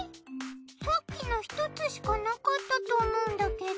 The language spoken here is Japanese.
さっきの１つしかなかったと思うんだけど。